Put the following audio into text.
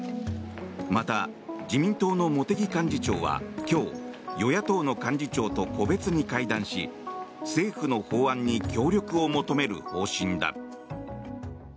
また、自民党の茂木幹事長は今日与野党の幹事長と個別に会談し政府の法案に協力を求める方針だ。